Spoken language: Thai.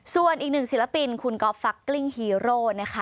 ส่วนอีกหนึ่งศิลปินคุณก๊อฟฟักกลิ้งฮีโร่นะคะ